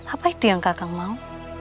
apa itu yang kakak mau